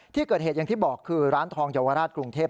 ที่เกิดเหตุอย่างที่บอกคือร้านทองเยาวราชกรุงเทพฯ